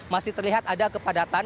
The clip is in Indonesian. masih terlihat ada kepadatan